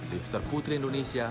lifter putri indonesia